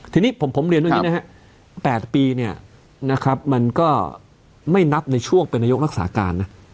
ทีนี้ผมเรียนตรงนี้นะฮะ๘ปีเนี่ยนะครับมันก็ไม่นับในช่วงเป็นนายกรักษาการนะ